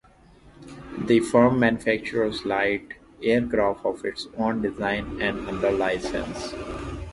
The firm manufactures light aircraft of its own design and under license.